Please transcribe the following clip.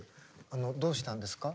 どうしたんですか？